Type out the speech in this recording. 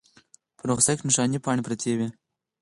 په نسخه کې نښانۍ پاڼې پرتې وې.